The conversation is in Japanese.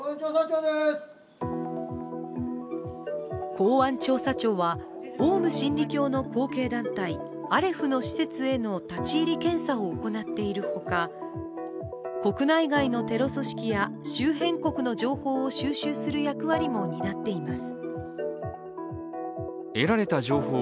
公安調査庁はオウム真理教の後継団体アレフの施設への立ち入り検査を行っているほか国内外のテロ組織や周辺国の情報を収集する役割も担っています。